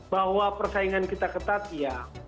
bahwa persaingan kita ketat ya